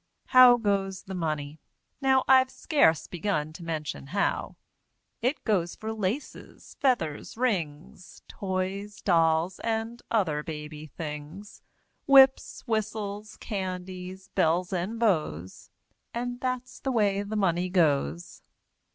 How goes the Money? Now, I've scarce begun to mention how; It goes for laces, feathers, rings, Toys, dolls and other baby things, Whips, whistles, candies, bells and bows, And that's the way the Money goes!